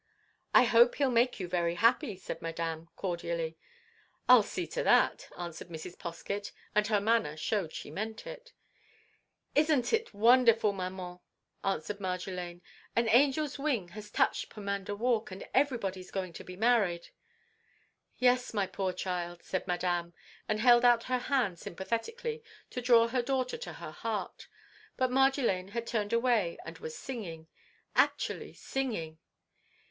"I hope he'll make you very happy," said Madame, cordially. "I 'll see to that!" answered Mrs. Poskett; and her manner showed she meant it. "Isn't it wonderful, Maman!" exclaimed Marjolaine. "An angel's wing has touched Pomander Walk, and everybody's going to be married!" "Yes, my poor child," said Madame, and held out her hand sympathetically to draw her daughter to her heart. But Marjolaine had turned away, and was singing! Actually singing!